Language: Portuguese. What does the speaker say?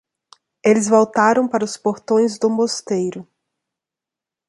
Eles voltaram para os portões do mosteiro.